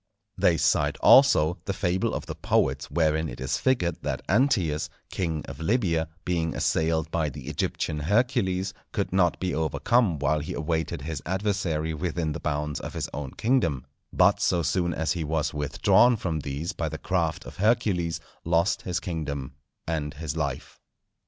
They cite also the fable of the poets wherein it is figured that Antæus, king of Libya, being assailed by the Egyptian Hercules, could not be overcome while he awaited his adversary within the bounds of his own kingdom; but so soon as he was withdrawn from these by the craft of Hercules, lost his kingdom and his life.